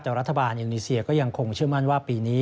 แต่รัฐบาลอินโดนีเซียก็ยังคงเชื่อมั่นว่าปีนี้